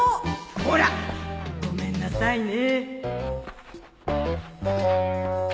こら！ごめんなさいね。